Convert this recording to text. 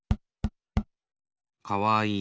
かわいい。